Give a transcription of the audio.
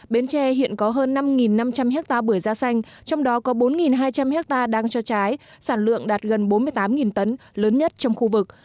bến tre hiện có hơn năm năm trăm linh hectare bưởi da xanh trong đó có bốn hai trăm linh hectare đang cho trái sản lượng đạt gần bốn mươi tám tấn lớn nhất trong khu vực